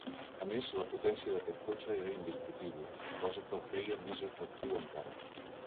A més, la potència d'aquest cotxe era indiscutible cosa que el feia més atractiu encara.